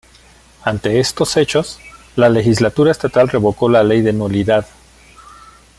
Ante estos hechos la legislatura estatal revocó la ley de nulidad.